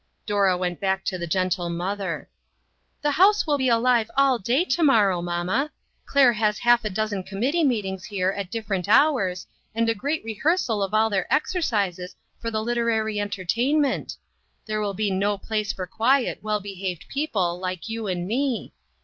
Dora went back to the gentle mother. " The house will be alive all day to mor row, mamma. Claire has half a dozen com mittee meetings here at different hours, and a great rehearsal of all their exercises for the literary entertainment. There will be no place for quiet, well behaved people like you and me.